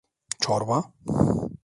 Çorba!